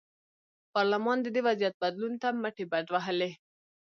پارلمان د دې وضعیت بدلون ته مټې بډ وهلې.